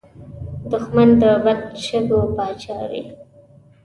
دښمن د بد شګو پاچا وي